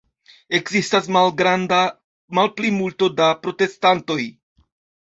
Ekzistas malgranda malplimulto da protestantoj.